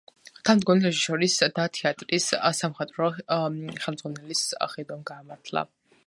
დამდგმელი რეჟისორის და თეატრის სამხატვრო ხელმძღვანელის ხედვამ გაამართლა.